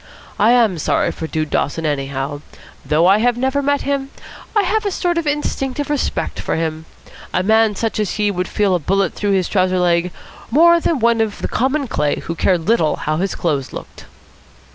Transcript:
I am sorry for Dude Dawson, anyhow. Though I have never met him, I have a sort of instinctive respect for him. A man such as he would feel a bullet through his trouser leg more than one of common clay who cared little how his clothes looked."